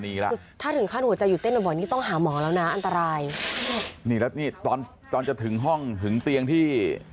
นี่แล้วนี่ตอนจะถึงห้องถึงเตียงที่